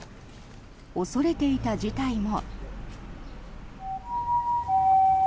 恐れていた事態も。